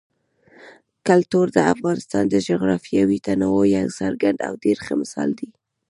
کلتور د افغانستان د جغرافیوي تنوع یو څرګند او ډېر ښه مثال دی.